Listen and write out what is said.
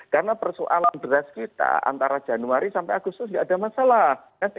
karena persoalan beras kita antara januari sampai agustus nggak ada masalah